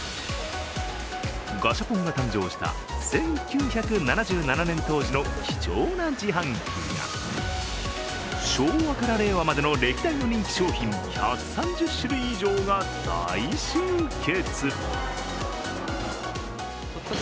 ガシャポンが誕生した１９７７年当時の貴重な自販機や昭和から令和までの歴代の人気商品１３０種類以上が大集結。